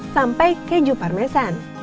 sampai keju parmesan